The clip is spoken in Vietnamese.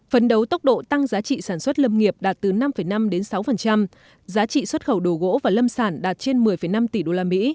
phấn đấu tốc độ tăng giá trị sản xuất lâm nghiệp đạt từ năm năm sáu giá trị xuất khẩu đồ gỗ và lâm sản đạt trên một mươi năm tỷ usd